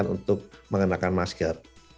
untuk mengenakan masker